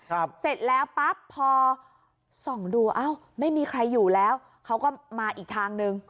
เสร็จแล้วปั๊บพอส่องดูอ้าวไม่มีใครอยู่แล้วเขาก็มาอีกทางหนึ่ง